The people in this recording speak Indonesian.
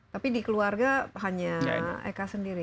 tapi di keluarga hanya eka sendiri